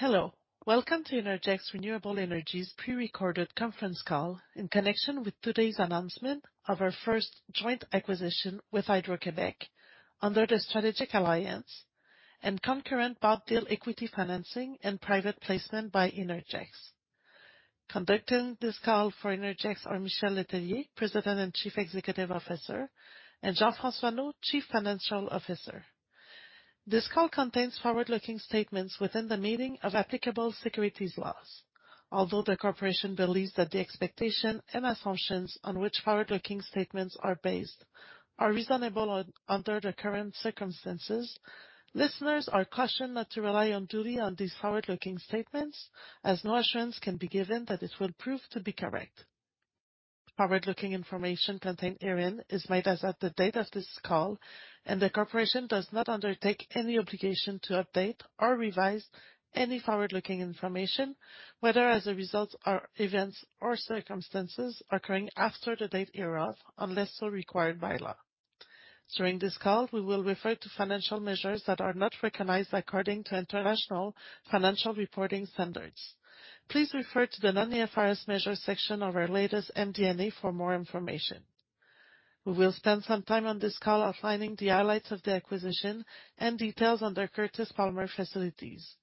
Hello. Welcome to Innergex Renewable Energy's pre-recorded conference call in connection with today's announcement of our first joint acquisition with Hydro-Québec under the Strategic Alliance, and concurrent bought deal equity financing and private placement by Innergex. Conducting this call for Innergex are Michel Letellier, President and Chief Executive Officer, and Jean-François Neault, Chief Financial Officer. This call contains forward-looking statements within the meaning of applicable securities laws. Although the corporation believes that the expectations and assumptions on which forward-looking statements are based are reasonable under the current circumstances, listeners are cautioned not to rely unduly on these forward-looking statements, as no assurance can be given that it will prove to be correct. Forward-looking information contained herein is made as of the date of this call, and the corporation does not undertake any obligation to update or revise any forward-looking information, whether as a result of events or circumstances occurring after the date hereof, unless so required by law. During this call, we will refer to financial measures that are not recognized according to International Financial Reporting Standards. Please refer to the non-IFRS measures section of our latest MD&A for more information. We will spend some time on this call outlining the highlights of the acquisition and details on the Curtis Palmer facilities.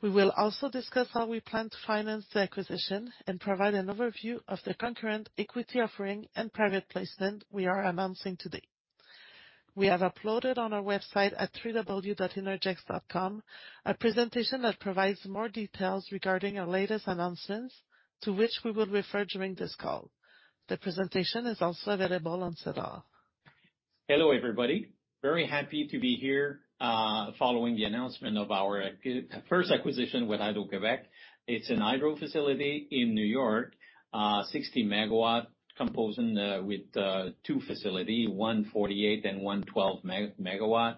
We will also discuss how we plan to finance the acquisition and provide an overview of the concurrent equity offering and private placement we are announcing today. We have uploaded to our website at www.innergex.com a presentation that provides more details regarding our latest announcements, to which we will refer during this call. The presentation is also available on SEDAR. Hello, everybody. Very happy to be here, following the announcement of our first acquisition with Hydro-Québec. It's a hydro facility in N.Y., 60 MW composing with two facility, 148 MW and 112 MW.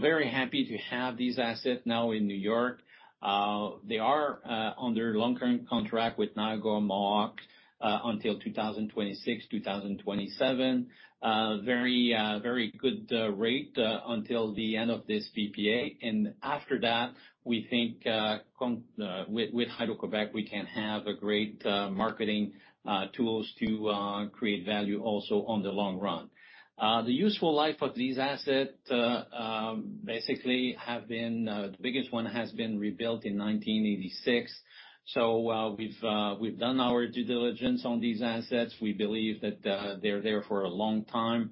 Very happy to have this asset now in N.Y. They are under a long-term contract with Niagara Mohawk until 2026 or 2027. Very good rate until the end of this PPA. After that, we think, with Hydro-Québec, we can have great marketing tools to create value also in the long run. The useful life of these assets, the biggest one was rebuilt in 1986. We've done our due diligence on these assets. We believe that they're there for a long time.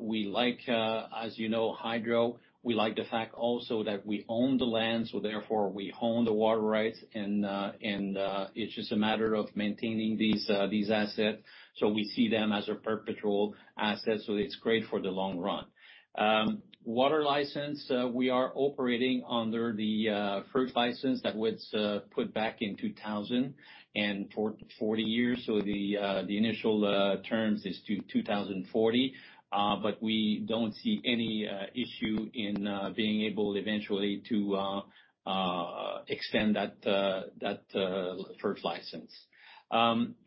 We like, as you know, hydro. We like the fact also that we own the land, therefore we own the water rights, and it's just a matter of maintaining these assets. We see them as a perpetual asset, so it's great for the long run. Water license, we are operating under the FERC license that was put back in 2000, and for 40 years. The initial term is to 2040. We don't see any issue in being able eventually to extend that FERC license.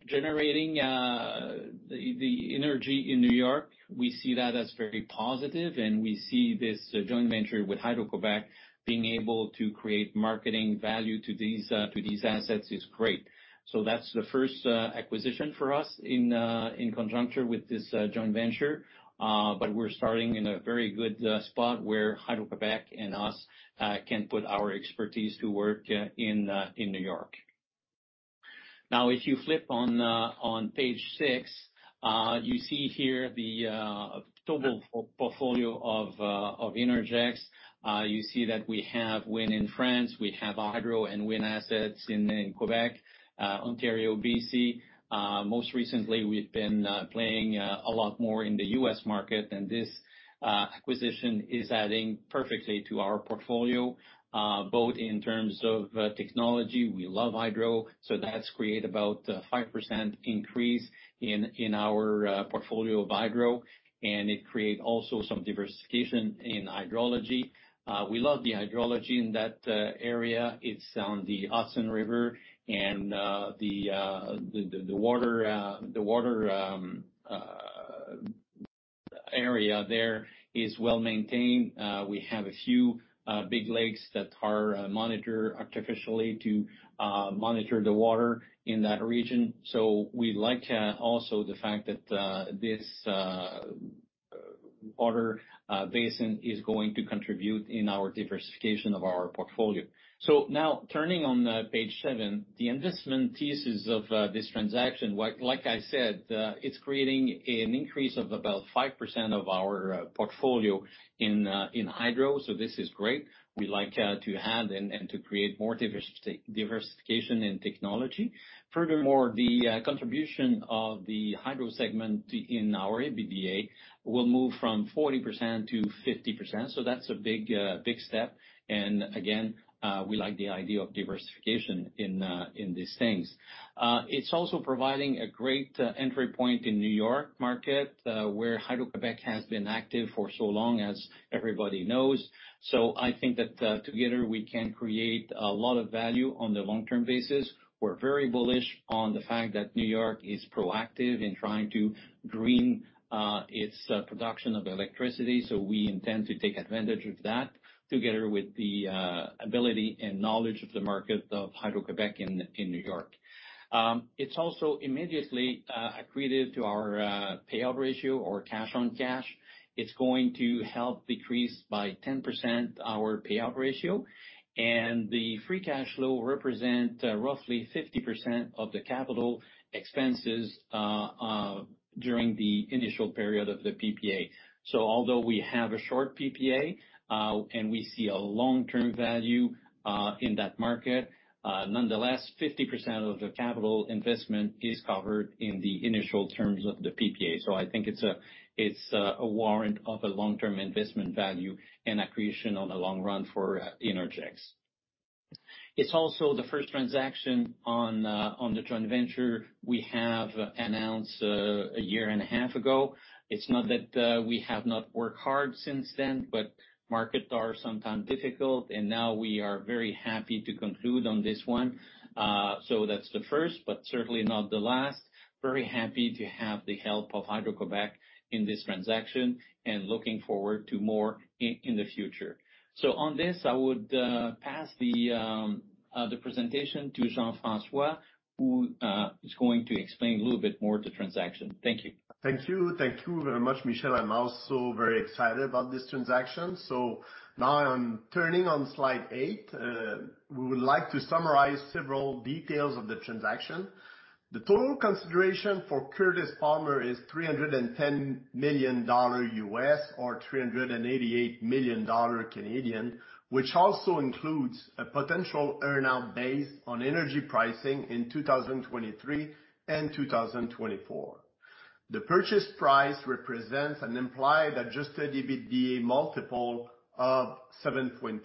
Generating the energy in New York, we see that as very positive, and we see this joint venture with Hydro-Québec being able to create marketing value to these assets is great. That's the first acquisition for us in conjunction with this joint venture. We're starting in a very good spot where Hydro-Québec and us can put our expertise to work in New York. If you flip on page six, you see here the total portfolio of Innergex. You see that we have wind in France, we have hydro and wind assets in Quebec, Ontario, and B.C. Most recently, we've been playing a lot more in the U.S. market, and this acquisition is adding perfectly to our portfolio, both in terms of technology. We love hydro, so that's create about 5% increase in our portfolio of hydro, and it create also some diversification in hydrology. We love the hydrology in that area. It's on the Hudson River and the water area there is well-maintained. We have a few big lakes that are monitored artificially to monitor the water in that region. We like also the fact that this water basin is going to contribute in our diversification of our portfolio. Now turning on page seven, the investment thesis of this transaction, like I said, it's creating an increase of about 5% of our portfolio in hydro. This is great. We like to add and to create more diversification in technology. Furthermore, the contribution of the hydro segment in our EBITDA will move from 40%-50%. That's a big step. Again, we like the idea of diversification in these things. It's also providing a great entry point in New York market, where Hydro-Québec has been active for so long, as everybody knows. I think that together we can create a lot of value on a long-term basis. We're very bullish on the fact that New York is proactive in trying to green its production of electricity, so we intend to take advantage of that, together with the ability and knowledge of the market of Hydro-Québec in New York. It's also immediately accretive to our payout ratio or cash on cash. It's going to help decrease by 10% our payout ratio. The free cash flow represents roughly 50% of the capital expenses during the initial period of the PPA. Although we have a short PPA, and we see a long-term value in that market, nonetheless, 50% of the capital investment is covered in the initial terms of the PPA. I think it's a warrant of long-term investment value and accretion in the long run for Innergex. It's also the first transaction on the joint venture we have announced a year and a half ago. It's not that we have not worked hard since then; markets are sometimes difficult. Now, we are very happy to conclude on this one. That's the first, certainly not the last. Very happy to have the help of Hydro-Québec in this transaction, looking forward to more in the future. On this, I would pass the presentation to Jean-François, who is going to explain a little bit more about the transaction. Thank you. Thank you. Thank you very much, Michel. Now I'm turning on slide eight. We would like to summarize several details of the transaction. The total consideration for Curtis Palmer is $310 million USD, or $388 million Canadian, which also includes a potential earn-out based on energy pricing in 2023 and 2024. The purchase price represents an implied Adjusted EBITDA multiple of $7.3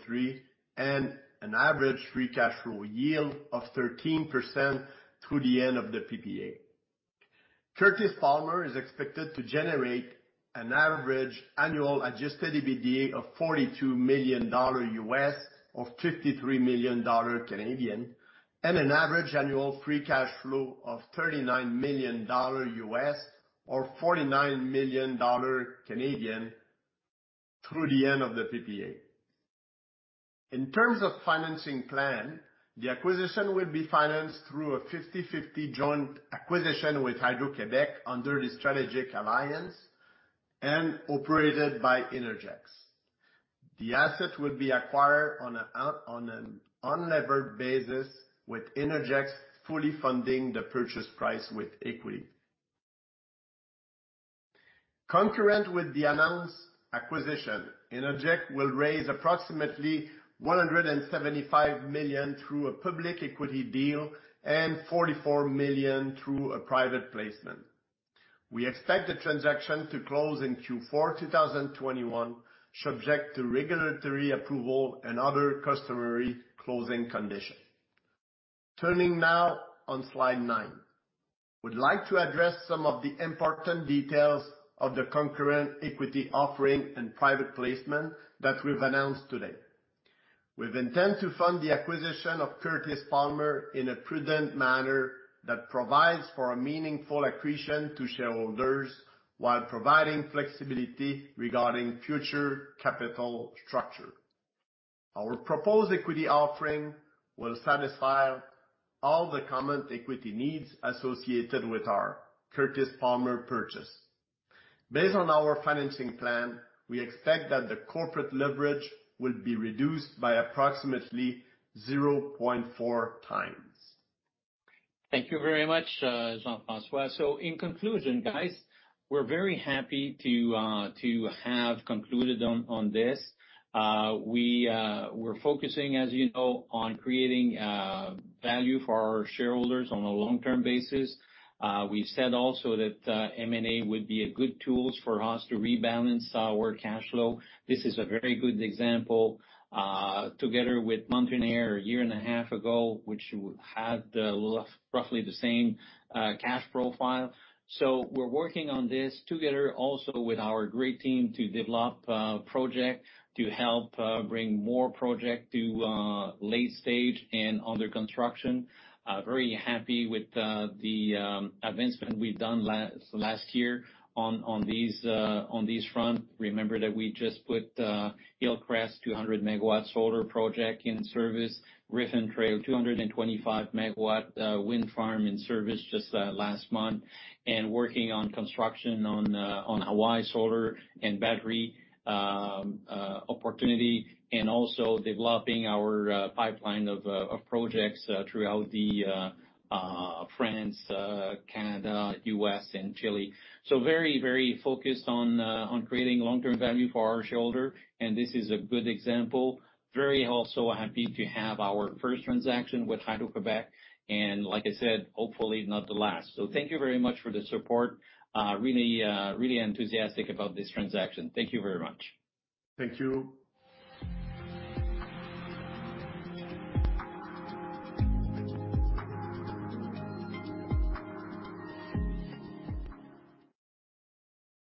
and an average free cash flow yield of 13% through the end of the PPA. Curtis Palmer is expected to generate an average annual Adjusted EBITDA of $42 million USD, or $53 million Canadian, and an average annual free cash flow of $39 million USD, or $49 million Canadian, through the end of the PPA. In terms of the financing plan, the acquisition will be financed through a 50/50 joint acquisition with Hydro-Québec under the Strategic Alliance and operated by Innergex. The assets will be acquired on an unlevered basis with Innergex fully funding the purchase price with equity. Concurrent with the announced acquisition, Innergex will raise approximately 175 million through a public equity deal and 44 million through a private placement. We expect the transaction to close in Q4 2021, subject to regulatory approval and other customary closing conditions. Turning now to slide nine. We would like to address some of the important details of the concurrent equity offering and private placement that we've announced today. We've intent to fund the acquisition of Curtis Palmer in a prudent manner that provides for a meaningful accretion to shareholders while providing flexibility regarding future capital structure. Our proposed equity offering will satisfy all the common equity needs associated with our Curtis Palmer purchase. Based on our financing plan, we expect that the corporate leverage will be reduced by approximately 0.4x. Thank you very much, Jean-François. In conclusion, guys, we're very happy to have concluded on this. We're focusing, as you know, on creating value for our shareholders on a long-term basis. We've said also that M&A would be a good tool for us to rebalance our cash flow. This is a very good example, together with Mountain Air a year and a half ago, which had roughly the same cash profile. We're working on this together also with our great team to develop project to help bring more projects to late stage and under construction. Very happy with the advancement we've done last year on this front. Remember that we just put Hillcrest 200 MW solar project in service, Griffin Trail 225 MW wind farm in service just last month, working on construction on Hawaii Solar and Battery opportunity, also developing our pipeline of projects throughout France, Canada, U.S., and Chile. Very focused on creating long-term value for our shareholders, and this is a good example. Very also happy to have our first transaction with Hydro-Québec, and like I said, hopefully not the last. Thank you very much for the support. Really enthusiastic about this transaction. Thank you very much. Thank you.